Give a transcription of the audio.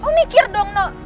kau mikir dong no